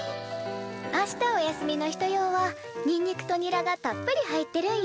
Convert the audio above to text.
あしたお休みの人用はにんにくとニラがたっぷり入ってるんやね。